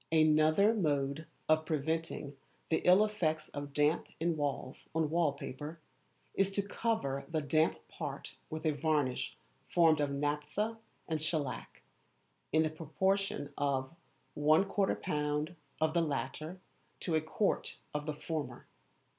Another mode of preventing the ill effects of damp in walls on wall paper, is to cover the damp part with a varnish formed of naphtha and shellac, in the proportion of 1/4lb. of the latter to a quart of the former.